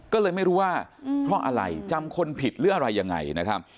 ก็เลยไม่รู้ว่าเพราะอะไรจำคนผิดหรืออะไรยังไงนะครับ